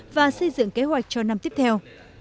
và xây dựng kế hoạch cho năm tiếp theo